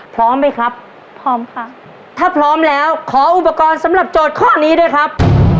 พร้อมไหมครับพร้อมค่ะถ้าพร้อมแล้วขออุปกรณ์สำหรับโจทย์ข้อนี้ด้วยครับ